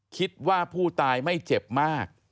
คิดว่าผู้ตายไม่เจ็บมาก